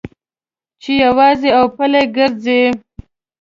چې یوازې او پلي ګرځې.